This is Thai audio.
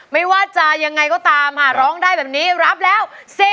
ไม่ว่าจะยังไงก็ตามค่ะร้องได้แบบนี้รับแล้ว